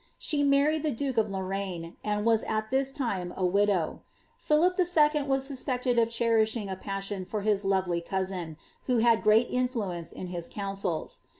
She married the duke of Lorraine, and was at this time a widow. Philip II. was suspected of cherishing a passion for his lovely cousin, who had great influence in his councils.